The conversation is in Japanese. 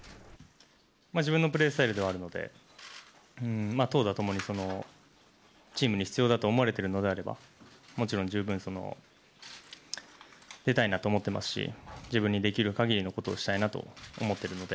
自分のプレースタイルではあるので、投打ともに、チームに必要だと思われているのであれば、もちろん十分、出たいなと思ってますし、自分にできるかぎりのことをしたいなと思ってるので。